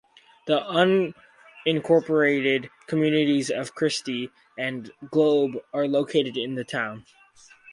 The unincorporated communities of Christie and Globe are located in the town.